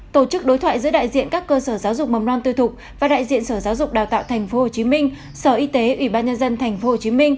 tổ chức đối thoại giữa đại diện các cơ sở giáo dục mầm non tư thục và đại diện sở giáo dục đào tạo tp hcm sở y tế ủy ban nhân dân tp hcm